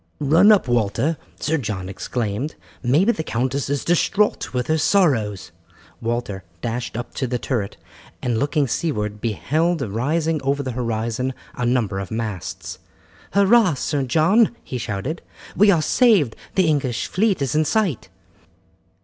"Run up, Walter," Sir John exclaimed, "maybe the countess is distraught with her sorrows." Walter dashed up to the turret, and looking seaward beheld rising over the horizon a number of masts. "Hurrah! Sir John," he shouted, "we are saved, the English fleet is in sight."